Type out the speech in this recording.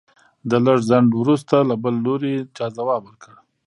د لږ ځنډ وروسته له بل لوري چا ځواب ورکړ.